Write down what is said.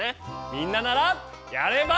みんなならやれば。